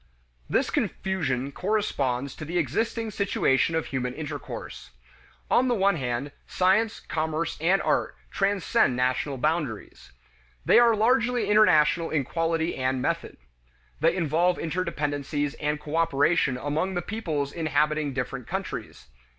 This confusion corresponds to the existing situation of human intercourse. On the one hand, science, commerce, and art transcend national boundaries. They are largely international in quality and method. They involve interdependencies and cooperation among the peoples inhabiting different countries.